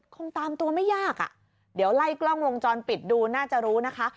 คงตามตัวไม่ยากอ่ะเดี๋ยวไล่กล้องวงจรปิดดูน่าจะรู้นะคะ